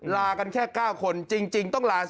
ลากันแค่๙คนจริงต้องลา๔